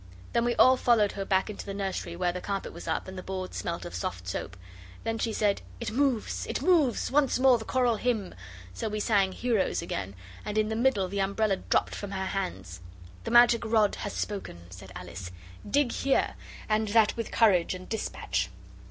Then we all followed her back into the nursery, where the carpet was up and the boards smelt of soft soap. Then she said, 'It moves, it moves! Once more the choral hymn!' So we sang 'Heroes' again, and in the middle the umbrella dropped from her hands. 'The magic rod has spoken,' said Alice; 'dig here, and that with courage and despatch.